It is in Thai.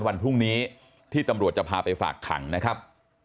วันพรุ่งนี้ที่ตำรวจจะพาไปฝากขังนะครับ